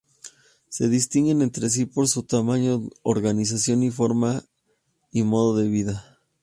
Se distinguen entre sí por su tamaño, organización, forma y modo de vida.